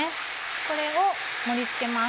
これを盛り付けます。